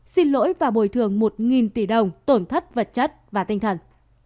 xin lỗi và bồi thường một tỷ đồng tổn thất vật chất và tinh thần